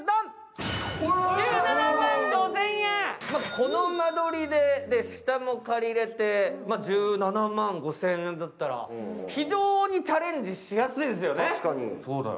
この間取りで下も借りれて１７万５０００円だったら非常にチャレンジしやすいですよね。